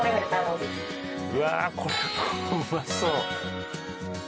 うわあこれもうまそう！